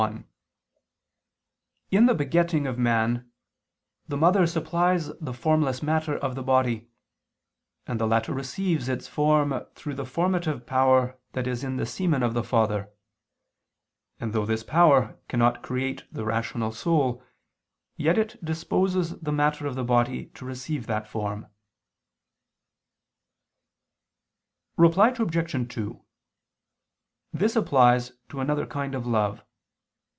1: In the begetting of man, the mother supplies the formless matter of the body; and the latter receives its form through the formative power that is in the semen of the father. And though this power cannot create the rational soul, yet it disposes the matter of the body to receive that form. Reply Obj. 2: This applies to another kind of love.